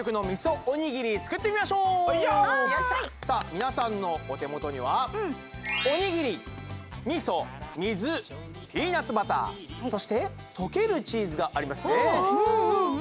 みなさんのお手元にはおにぎりみそ水ピーナツバターそしてとけるチーズがありますね。